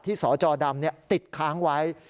ที่สจดำนี้ติดค้างไว้